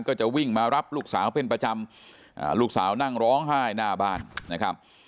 ก็จะวิ่งมารับลูกสาวเป็นประจำลูกสาวนั่งร้องไห้หน้าบ้านนะครับ